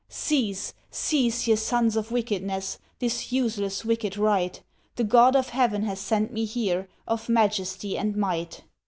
"Cease, cease, ye sons of wickedness, This useless wicked rite; The God of Heaven has sent me here, Of Majesty and Might!"